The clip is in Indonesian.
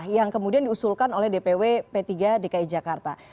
yang kemudian diusulkan oleh dpw p tiga dki jakarta